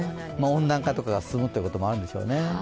温暖化が進むということもあるんでしょうね。